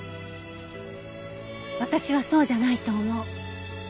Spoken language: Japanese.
私はそうじゃないと思う。